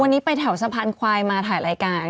วันนี้ไปแถวสะพานควายมาถ่ายรายการ